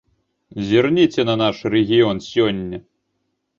Зірніце на наш рэгіён сёння.